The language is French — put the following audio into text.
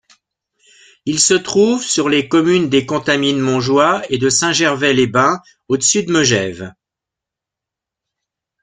Il se trouve sur les communes des Contamines-Montjoie et de Saint-Gervais-les-Bains, au-dessus de Megève.